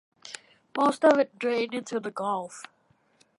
Most of it drained into the Gulf.